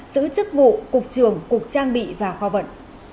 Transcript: giữ chức vụ cục trưởng cục trang bị và kho vận